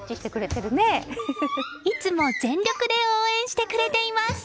いつも全力で応援してくれています。